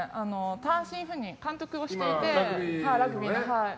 単身赴任、監督をしていてラグビーの。